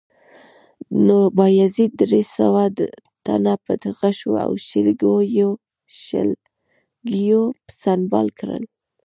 نو بایزید درې سوه تنه په غشو او شلګیو سنبال کړل